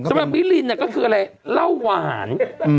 สำหรับมิรินก็คืออะไรเราะหวาน